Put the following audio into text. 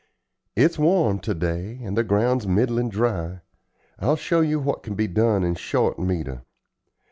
It's warm to day, and the ground's middlin' dry. I'll show you what can be done in short metre.